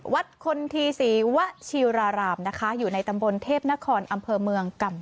วัดคนธีสีวะชีรารามม์นะคะอยู่ในตำบนเทพนครอมเผอร์เมืองอำ